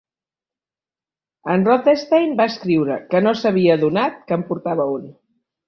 En Rothenstein va escriure que no s'havia adonat que en portava un.